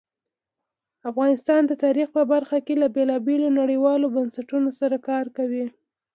افغانستان د تاریخ په برخه کې له بېلابېلو نړیوالو بنسټونو سره کار کوي.